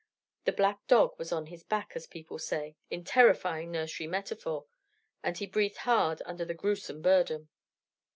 The black dog was on his back, as people say, in terrifying nursery metaphor; and he breathed hard under the gruesome burden.